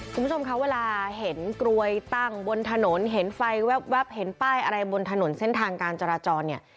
คุณผู้ชมคะเวลาเห็นกลวยตั้งบนถนนเห็นไฟแว๊บเห็นป้ายอะไรบนถนนเส้นทางการจราจรเนี่ย